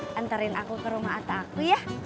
nganterin aku ke rumah ate aku ya